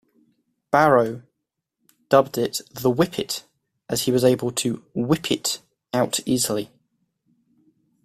Barrow dubbed it the "Whippit", as he was able to "whip it" out easily.